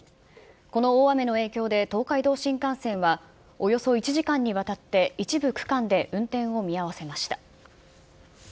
この大雨の影響で東海道新幹線は、およそ１時間にわたって一部区間で運転を見合わせました。